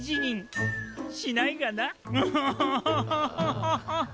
ムホホホ。